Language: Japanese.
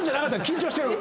緊張してる！